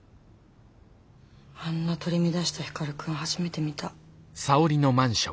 あんな取り乱した光くん初めて見た。